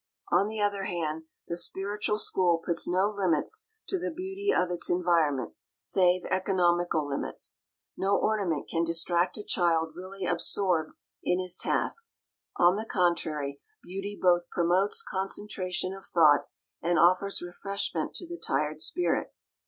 On the other hand, the spiritual school puts no limits to the beauty of its environment, save economical limits. No ornament can distract a child really absorbed in his task; on the contrary, beauty both promotes concentration of thought and offers refreshment to the tired spirit.